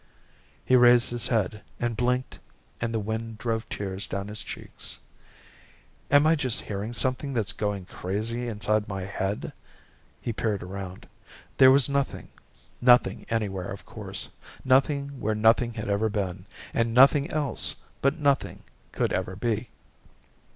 '" He raised his head and blinked and the wind drove tears down his cheeks. "Am I just hearing something that's going crazy inside my head?" He peered around. There was nothing, nothing anywhere of course, nothing where nothing had ever been, and nothing else but nothing could ever be.